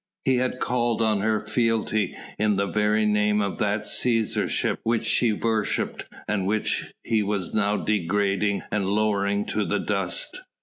He had called on her fealty in the very name of that Cæsarship which she worshipped and which he was now degrading and lowering to the dust.